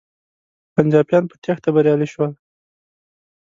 پنجابیان په تیښته بریالی شول.